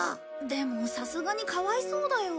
でもさすがにかわいそうだよ。